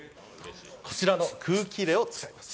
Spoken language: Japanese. こちらの空気入れを使います。